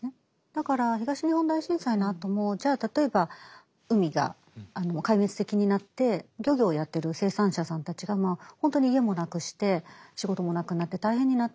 だから東日本大震災のあともじゃあ例えば海がもう壊滅的になって漁業をやってる生産者さんたちが本当に家もなくして仕事もなくなって大変になった。